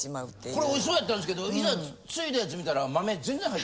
これおいしそうやったんですけどいざついだやつ見たら。